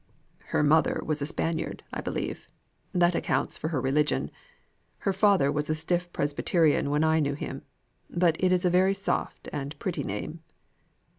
"Her mother was a Spaniard, I believe: that accounts for her religion. Her father was a stiff Presbyterian when I knew him. But it is a very soft and pretty name."